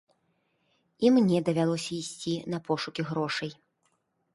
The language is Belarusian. І мне давялося ісці на пошукі грошай.